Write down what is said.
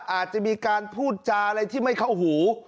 อาจจะมีการพูดจาอะไรที่ไม่เข้าหู